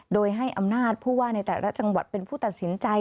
โดยให้อำนาจผู้ว่าในแต่ละจังหวัดเป็นผู้ตัดสินใจ